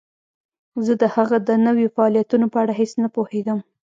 زه د هغه د نویو فعالیتونو په اړه هیڅ نه پوهیدم